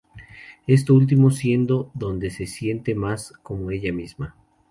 Esto último siendo donde se siente más como ella misma.